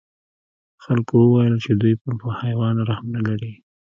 خلکو وویل چې دوی په حیوان رحم نه لري.